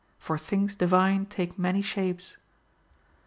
For things divine take many shapes.